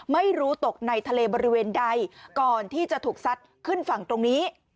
ไม่รู้ตกในทะเลบริเวณใดก่อนที่จะถูกซัดขึ้นฝั่งตรงนี้